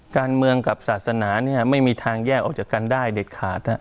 การเมืองกับศาสนาไม่มีทางแยกออกจากกันได้เด็ดขาด